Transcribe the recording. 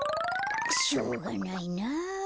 しょうがないな。